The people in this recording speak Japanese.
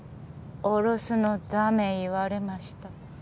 オロすのダメ言われました。